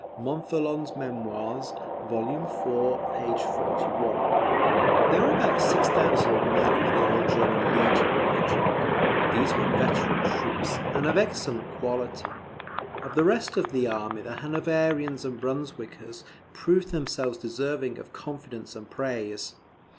[Montholon's Memoirs, vol. iv. p. 41.] There were about 6,000 men of the old German Legion with the Duke; these were veteran troops, and of excellent quality. Of the rest of the army the Hanoverians and Brunswickers proved themselves deserving of confidence and praise.